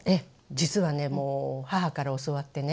実はねもう母から教わってね。